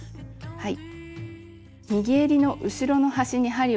はい。